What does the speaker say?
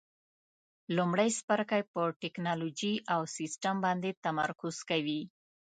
لومړی څپرکی په ټېکنالوجي او سیسټم باندې تمرکز کوي.